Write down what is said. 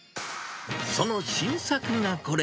その新作がこれ。